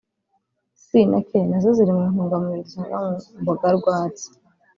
C na K na zo ziri mu ntungamubiri dusanga mu mboga rwatsi